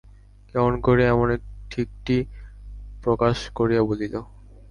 কেমন করিয়া এমন ঠিকটি প্রকাশ করিয়া বলিল।